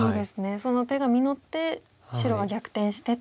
その手が実って白が逆転してと。